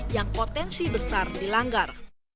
yang potensi besar dilanggar